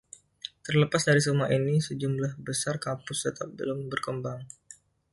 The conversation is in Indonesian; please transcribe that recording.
Terlepas dari semua ini, sejumlah besar kampus tetap belum berkembang.